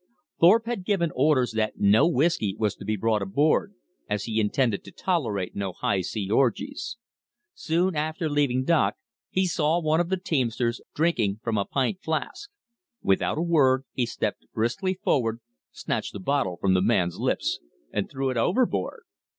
Thorpe had given orders that no whisky was to be brought aboard, as he intended to tolerate no high sea orgies. Soon after leaving dock he saw one of the teamsters drinking from a pint flask. Without a word he stepped briskly forward, snatched the bottle from the man's lips, and threw it overboard.